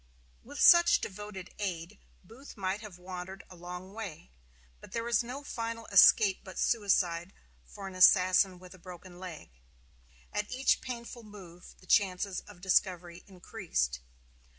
With such devoted aid Booth might have wandered a long way; but there is no final escape but suicide for an assassin with a broken leg. At each painful move the chances of discovery increased.